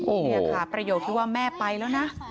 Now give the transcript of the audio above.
นี่ค่ะประโยคที่ว่าแม่ไปแล้วนะ